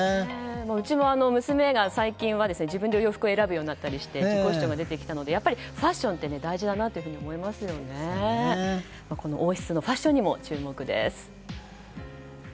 うちも娘が最近は自分で洋服を選ぶなど自己主張が出てきたのでやっぱり、ファッションってこの王室のファッションにも注目です。